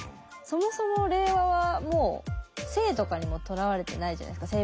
そもそも令和はもう性とかにもとらわれてないじゃないですか